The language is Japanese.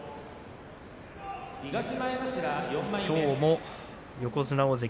きょうも横綱大関